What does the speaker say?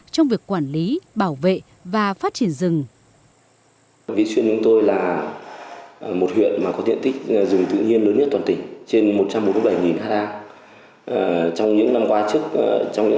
trong việc quản lý bảo vệ và phát triển rừng